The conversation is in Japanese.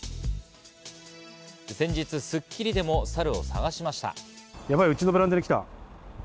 先日『スッキリ』でもサルを探しました。